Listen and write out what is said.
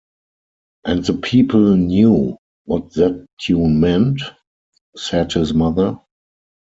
“And the people knew what that tune meant?” said his mother.